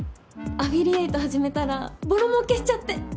アフィリエイト始めたらぼろもうけしちゃって。